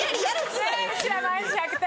うちら毎日１００点。